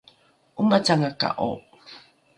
’omacanga ko’o